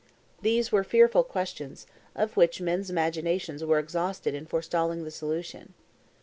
These were fearful questions, of which men's imaginations were exhausted in forestalling the solution.